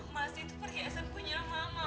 masih itu perhiasan punya mama